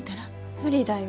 無理だよ。